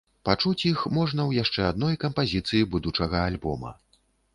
Пачуць іх можна ў яшчэ адной кампазіцыі будучага альбома.